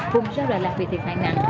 vùng rau đà lạt bị thiệt hại nặng